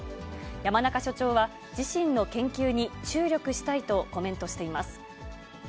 山中所長は自身の研究に注力したいとコメントしています。